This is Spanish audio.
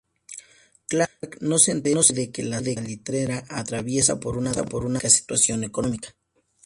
Clark no se entere de que la salitrera atraviesa por una dramática situación económica.